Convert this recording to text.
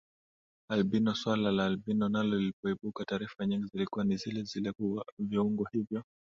albino Swala la albino nalo lilipoibuka taarifa nyingi zilikuwa ni zilezile kuwa viuongo hivyo